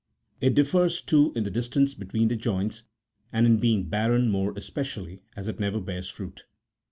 It differs, too, in the distance between the joints, and in being barren more espe cially, as it never bears fruit.